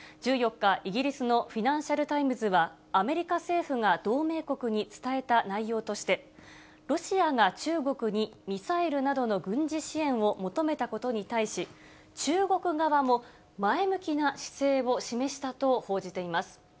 １４日、イギリスのフィナンシャル・タイムズは、アメリカ政府が同盟国に伝えた内容として、ロシアが中国にミサイルなどの軍事支援を求めたことに対し、中国側も前向きな姿勢を示したと報じています。